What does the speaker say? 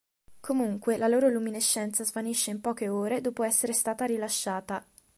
Comunque, la loro luminescenza svanisce in poche ore dopo essere stata rilasciata.